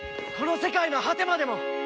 この世界の果てまでも！